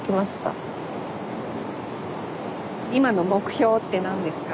今の目標って何ですか？